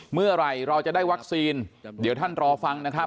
เมื่อไหร่เราจะได้วัคซีนเดี๋ยวท่านรอฟังนะครับ